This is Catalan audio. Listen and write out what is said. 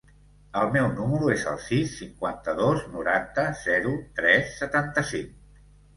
El meu número es el sis, cinquanta-dos, noranta, zero, tres, setanta-cinc.